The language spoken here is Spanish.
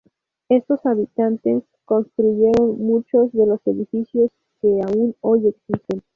Estos habitantes construyeron muchos de los edificios que aún hoy existen.